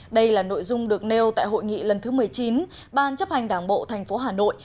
đây là nội dung được nêu tại hội nghị lần thứ một mươi chín ban chấp hành đảng bộ thành phố hà nội